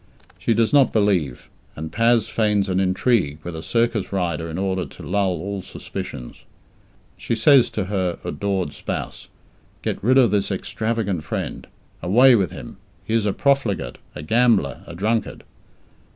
She does not believe, and Paz feigns an intrigue with a circus rider in order to lull all suspicions. She says to her adored spouse, "Get rid of this extravagant friend! Away with him! He is a profligate, a gambler! A drunkard!"